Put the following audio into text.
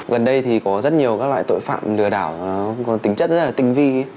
gần đây thì có rất nhiều các loại tội phạm lừa đảo còn tính chất rất là tinh vi